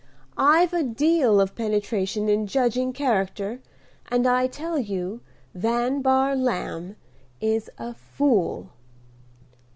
I've a deal of penetration in judging character, and I tell you Van Bahr Lamb is a fool."